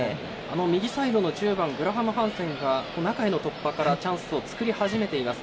右サイドの１０番グラハムハンセンが中への突破からチャンスを作り始めています。